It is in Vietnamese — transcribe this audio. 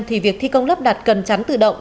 thì việc thi công lắp đặt cần chắn tự động